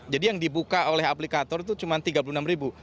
jadi yang dibuka oleh aplikator itu cuma tiga puluh enam ribu